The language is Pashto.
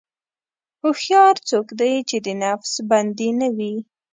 هوښیار څوک دی چې د نفس بندي نه وي.